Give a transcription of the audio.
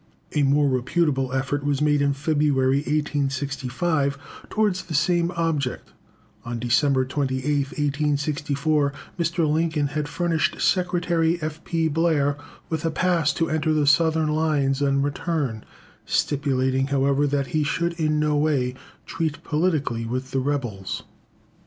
A more reputable effort was made in February, 1865, towards the same object. On December 28th, 1864, Mr. Lincoln had furnished Secretary F. P. Blair with a pass to enter the Southern lines and return, stipulating, however, that he should in no way treat politically with the rebels.